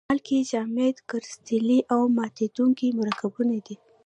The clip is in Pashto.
مالګې جامد کرستلي او ماتیدونکي مرکبونه دي.